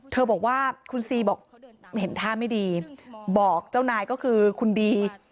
เธอบอกว่าคุณซีบอกเห็นท่าไม่ดีบอกเจ้านายก็คือคุณดี